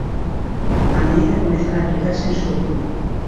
A medida comezará a aplicarse en xullo.